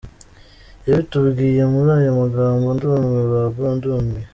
Yabitubwiye muri aya magambo: « ndumiwe ba bro, ndumiye!